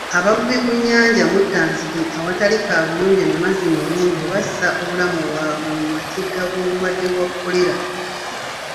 Abavubi ku nnyanja Muttanzige awatali kaabuyonjo na mazzi mayonjo bassa obulamu bwabwe mu matigga g'obulwadde bwa Kolera.